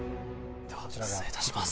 失礼いたします。